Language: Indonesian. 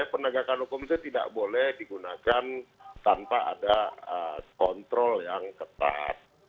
penegakan hukum itu tidak boleh digunakan tanpa ada kontrol yang ketat